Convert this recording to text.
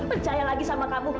percaya lagi sama kamu